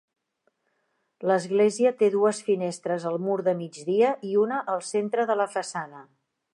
L'església té dues finestres al mur de migdia i una al centre de la façana.